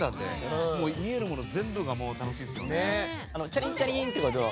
チャリンチャリンって。